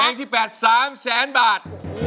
เพลงที่๘๓๐๐๐๐๐บาท